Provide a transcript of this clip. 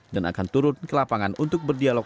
dan akan turun ke lapangan untuk berdialog